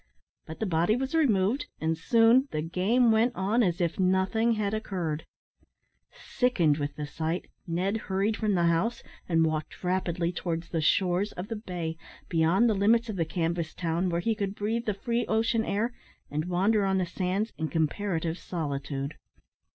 But the body was removed, and soon the game went on again as if nothing had occurred. Sickened with the sight, Ned hurried from the house, and walked rapidly towards the shores of the bay, beyond the limits of the canvas town, where he could breathe the free ocean air, and wander on the sands in comparative solitude.